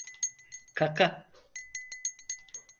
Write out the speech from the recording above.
Kaka!